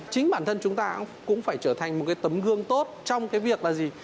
chính bản thân chúng ta cũng phải trở thành một cái tấm gương tốt trong cái việc là gì